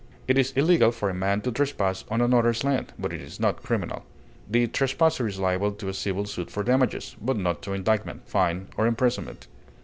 It is illegal for a man to trespass on another's land, but it is not criminal; the trespasser is liable to a civil suit for damages, but not to indictment, fine, or imprisonment.